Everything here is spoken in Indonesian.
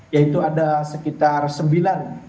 yaitu ada sekitar sembilan